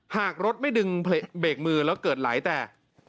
หากรถไม่ดึงเบรกมือแล้วเกิดไหลแตก